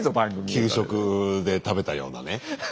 給食で食べたようなね。